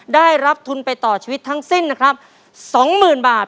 ได้รับทุนไปต่อชีวิตทั้งสิ้นนะครับ๒๐๐๐บาท